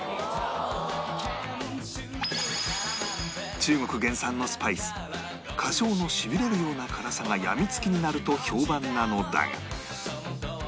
中国原産のスパイス花椒のしびれるような辛さが病みつきになると評判なのだが